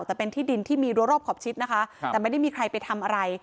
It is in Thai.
แต่เป็นที่ดินที่มีรัวรอบขอบชิดนะคะแต่ไม่ได้มีใครไปทำอะไร